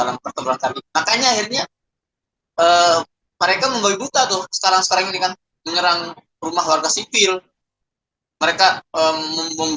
mereka membuka tuh sekarang sekarang dengan menyerang rumah warga sivil mereka membunuh